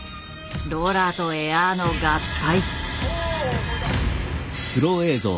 ローラーとエアーの合体。